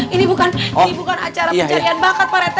ini bukan acara pencarian bakat pak rt